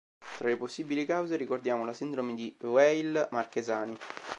Tra le possibili cause ricordiamo la Sindrome di Weill-Marchesani.